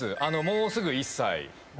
もうすぐ１歳。